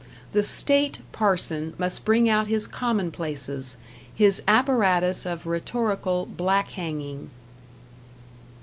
The State parson must bring out his commonplaces; his apparatus of rhetorical black hanging....